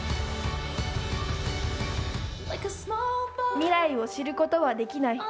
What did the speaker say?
未来を知ることはできない。